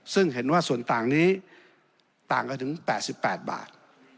ซึ่งเห็นว่าส่วนต่างนี้ต่างกันถึง๘๘บาท